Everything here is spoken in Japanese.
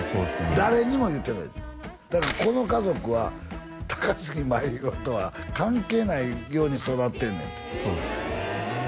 誰にも言うてないってだからこの家族は高杉真宙とは関係ないように育ってんねんってええー！？